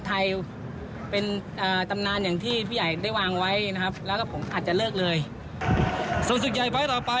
แต่ว่าแต่ว่าแต่ว่านี่แพ้จริงเลยครับ